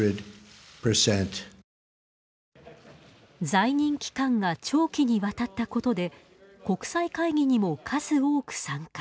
在任期間が長期にわたったことで国際会議にも数多く参加。